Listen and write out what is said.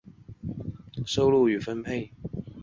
字幕组制作字幕的最终目的在于进行传播。